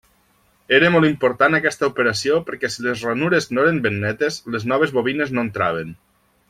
Era molt important aquesta operació perquè si les ranures no eren ben netes, les noves bobines no entraven.